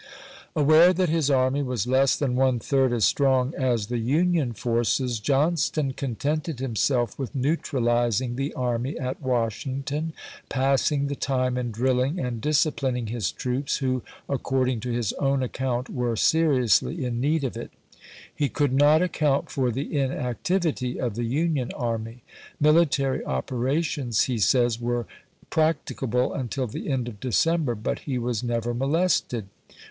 Aware that his army was less than one third as strong as the Union forces, Johnston contented \V. R. Vol. v.. pp. 9, 10. PLANS OF CAMPAIGN 153 himself with neutralizing the army at Washington, chap. ix. passing the time in drilling and disciplining his troops, who, according to his own account, were seriously in need of it. He could not account for the inactivity of the Union army. Military oper ations, he says, were practicable until the end of December ; but he was never molested.